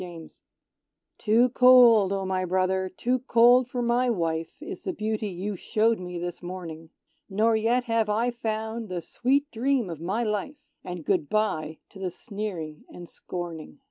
Clari Too cold, O my brother, too cold for my wife Is the Beauty you showed me this morning: Nor yet have I found the sweet dream of my life, And good bye to the sneering and scorning.